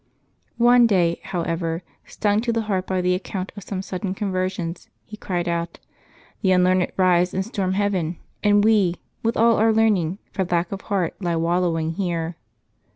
One day, however, stung to the heart by the account of some sudden conversions, he cried out, " The unlearned rise and storm heaven, and we, with all our learning, for lack of heart lie wallowing here.